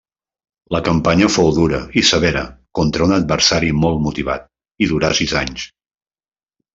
La campanya fou dura i severa contra un adversari molt motivat, i durà sis anys.